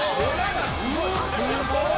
「すごい！」